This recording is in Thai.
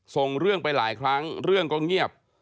ส่งเรื่องไปหลายครั้งเรื่องก็เงียบ